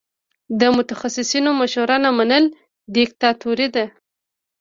د متخصصینو مشوره نه منل دیکتاتوري ده.